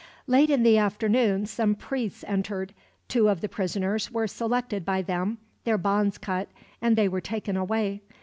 Late in the afternoon some priests entered. Two of the prisoners were selected by them, their bonds cut, and they were taken away.